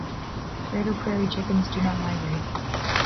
Greater prairie chickens do not migrate.